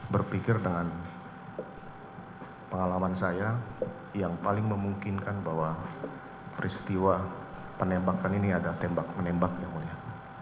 berpikir dengan pengalaman saya yang paling memungkinkan bahwa peristiwa penembakan ini ada tembak menembak yang mulia